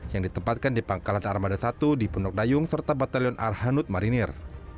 yang ditempatkan di pangkalan armada satu di pondok dayung serta batalion arhanud marinir